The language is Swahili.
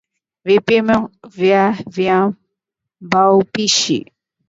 Vipimo vya Viambaupishi